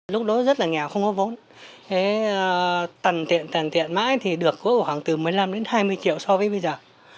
lúc đó rất là nghèo không có vốn tần tiện tần tiện mãi thì được có khoảng từ một mươi năm đến hai mươi triệu so với bây giờ